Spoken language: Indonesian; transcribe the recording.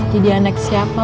jadi anak siapa